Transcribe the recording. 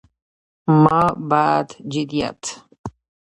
ما بعد جديديت